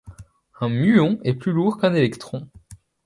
Un muon est plus lourd qu'un électron.